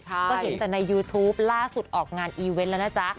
ก็เห็นแต่ในยูทูปล่าสุดออกงานอีเวนต์แล้วนะจ๊ะ